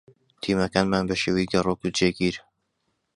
تیمەکانمان بە شێوەی گەڕۆک و جێگیر